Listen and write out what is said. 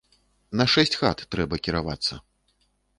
На шэсць хат трэба кіравацца.